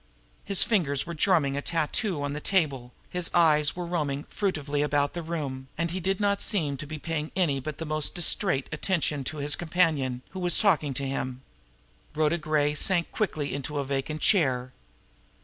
His fingers were drumming a tattoo on the table; his eyes were roving furtively about the room; and he did not seem to be paying any but the most distrait attention to his companion, who was talking to him. Rhoda Gray sank quickly into a vacant chair.